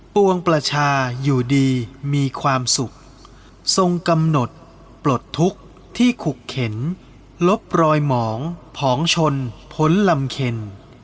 ปวงประชาอยู่ดีมีความสุขทรงกำหนดปลดทุกข์ที่ขุกเข็นลบรอยหมองผองชนพ้นลำเข็น